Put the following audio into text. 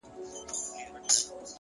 پوهه د شکونو ځای یقین ته ورکوي!